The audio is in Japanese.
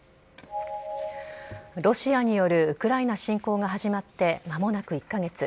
ロシアによるウクライナ侵攻が始まってまもなく１か月。